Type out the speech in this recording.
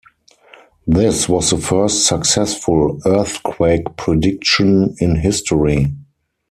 This was the first successful earthquake prediction in history.